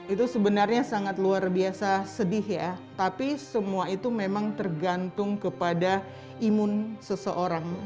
itu sebenarnya sangat luar biasa sedih ya tapi semua itu memang tergantung kepada imun seseorang